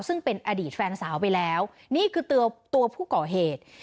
ซึ่งเป็นอดีตแฟนสาวไปแล้วนี่คือตัวผู้ก่อเหตุ